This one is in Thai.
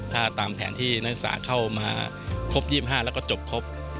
ถ้าตามแผนที่นักศึกษาเข้ามาครบ๒๕แล้วก็จบครบ